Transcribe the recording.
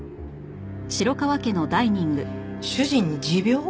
主人に持病？